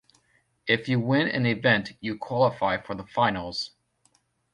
If you win an event you qualify for the finals.